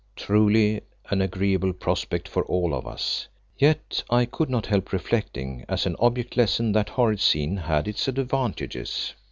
Truly an agreeable prospect for all of us! Yet, I could not help reflecting, as an object lesson that horrid scene had its advantages.